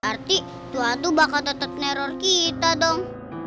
arti juhaduh bakal tetep neror kita dong